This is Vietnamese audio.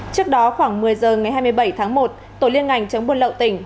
trước đó khoảng một mươi giờ ngày hai mươi bảy tháng một tổ liên ngành chống buôn lậu tỉnh